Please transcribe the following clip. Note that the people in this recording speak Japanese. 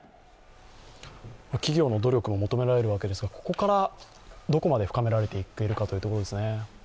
企業の努力も求められるわけですが、ここからどこまで深められていけるかというところですね。